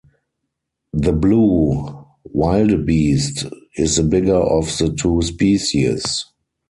The blue wildebeest is the bigger of the two species.